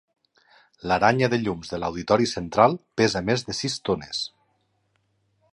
L'aranya de llums de l'auditori central pesa més de sis tones.